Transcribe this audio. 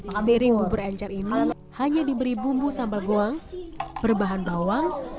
memberhe bubur encer ini hanya diberi bumbu sambal goang berbahan bawang